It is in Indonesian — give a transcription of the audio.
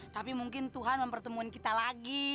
tapi mungkin tuhan mempertemuin kita lagi